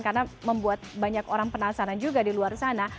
karena membuat banyak orang penasaran juga di luar sana